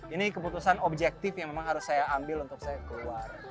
ini keputusan objektif yang memang harus saya ambil untuk saya keluar